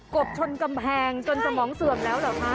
บชนกำแพงจนสมองเสื่อมแล้วเหรอคะ